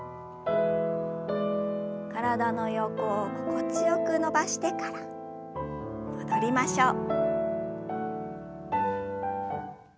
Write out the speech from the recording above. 体の横を心地よく伸ばしてから戻りましょう。